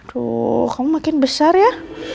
tuh kamu makin besar ya